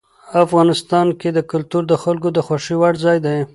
افغانستان کې کلتور د خلکو د خوښې وړ ځای دی.